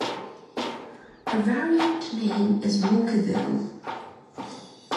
A variant name is "Walkerville".